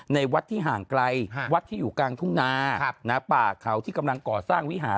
ในวัดที่ห่างไกลวัดที่อยู่กลางทุ่งนาป่าเขาที่กำลังก่อสร้างวิหาร